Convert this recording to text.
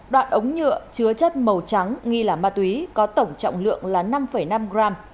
đoạn ống nhựa chứa chất màu trắng nghi là ma tuy có tổng trọng lượng là năm năm g